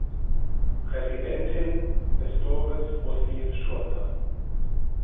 Präsidentin ist Doris Russi Schurter.